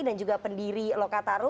dan juga pendiri lokasi